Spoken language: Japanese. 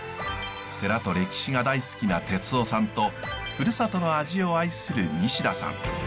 寺と歴史が大好きな哲夫さんと故郷の味を愛する西田さん。